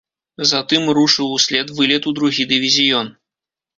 Затым рушыў услед вылет у другі дывізіён.